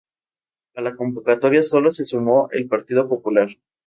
A la convocatoria solo se sumó el Partido Popular.